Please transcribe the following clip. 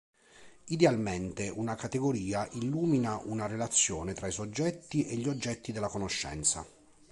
Idealmente, una categoria illumina una relazione tra i soggetti e gli oggetti della conoscenza.